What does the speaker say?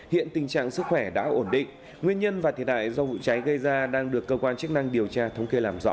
hiện tình trạng sức khỏe đã ổn định nguyên nhân và thiệt hại do vụ cháy gây ra đang được cơ quan chức năng điều tra thống kê làm rõ